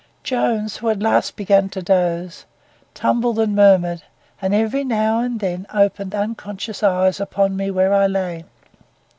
Jones, who had at last begun to doze, tumbled and murmured, and every now and then opened unconscious eyes upon me where I lay.